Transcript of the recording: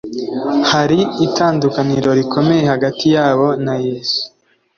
. Hari itandukaniro rikomeye hagati yabo na Yesu